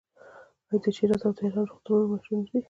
آیا د شیراز او تهران روغتونونه مشهور نه دي؟